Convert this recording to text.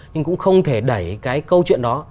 nhưng cũng không thể đẩy cái câu chuyện đó